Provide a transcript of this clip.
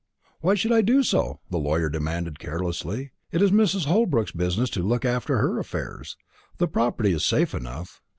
"Why should I do so?" the lawyer demanded carelessly. "It is Mrs. Holbrook's business to look after her affairs. The property is safe enough.